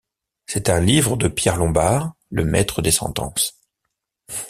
C’est un livre de Pierre Lombard, le Maître des Sentences.